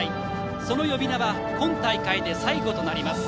その呼び名は今大会で最後となります。